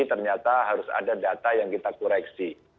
ternyata harus ada data yang kita koreksi